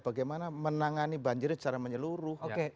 bagaimana menangani banjir secara menyeluruh